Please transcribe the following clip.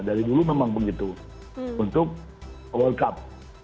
dari dulu memang begitu untuk world cup